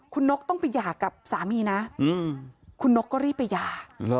คุณนกต้องไปหย่ากับสามีนะคุณนกก็รีบไปหย่า